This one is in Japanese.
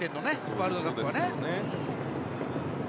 ワールドカップでは。